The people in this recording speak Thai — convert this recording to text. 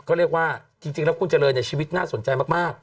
เขาเรียกว่าจริงแล้วคุณเจริญเนี่ยชีวิตน่าสนใจมาก